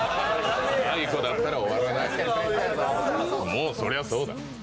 もうそりゃ、そうだ。